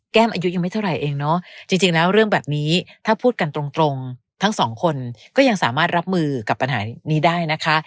อายุยังไม่เท่าไหร่เองเนาะจริงแล้วเรื่องแบบนี้ถ้าพูดกันตรงทั้งสองคนก็ยังสามารถรับมือกับปัญหานี้ได้นะคะ